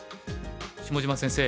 下島先生